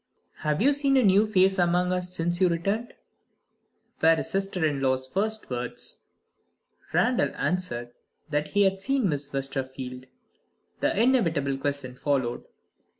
"Have you seen a new face among us, since you returned?" were his sister in law's first words. Randal answered that he had seen Miss Westerfield. The inevitable question followed.